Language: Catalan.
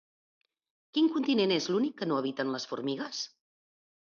Quin continent és l'únic que no habiten les formigues?